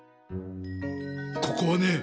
ここはね